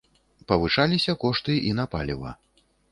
Павышаліся кошты і на паліва.